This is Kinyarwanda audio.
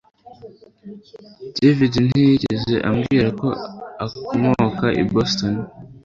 David ntiyigeze ambwira ko akomoka i Boston